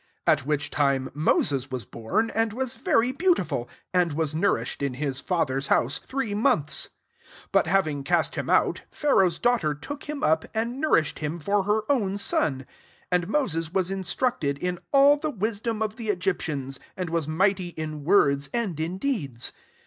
£0 At which time Moses was born, and was very beautiful, and was nourished in hi» father's house three months. £1 But having cast him out, Pharaoh's daugh ter took him up, and nourished him for her own son. ££ And Moses was instructed in all the wisdom of the Egyptians : and was mighty in words and in deeds.